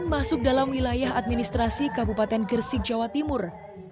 pulau weyan masuk dalam wilayah administrasi kabupaten gersik jawa timur